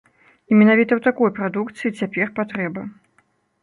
І менавіта ў такой прадукцыі цяпер патрэба.